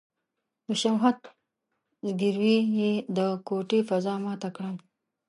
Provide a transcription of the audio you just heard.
د شهوت ځګيروی يې د کوټې فضا ماته کړه.